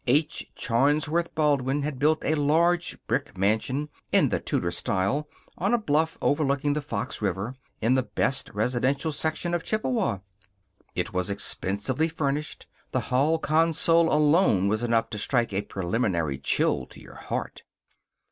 H. Charnsworth Baldwin had built a large brick mansion, in the Tudor style, on a bluff overlooking the Fox River, in the best residential section of Chippewa. It was expensively furnished. The hall console alone was enough to strike a preliminary chill to your heart.